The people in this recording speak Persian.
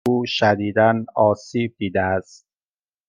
او شدیدا آسیب دیده است.